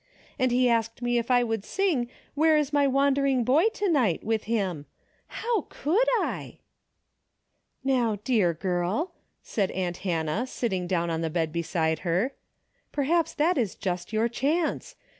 And he asked me if I would sing ' Where is my wandering boy to night ?' with him. How coidd I ?" "How, dear girl," said aunt Hannah sitting down on the bed beside her, " perhaps that is just your chance.